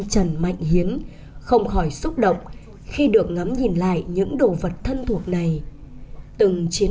trần mạnh hiến không khỏi xúc động khi được ngắm nhìn lại những đồ vật thân thuộc này từng chiến